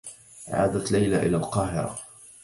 عادت ليلى إلى القاهرة.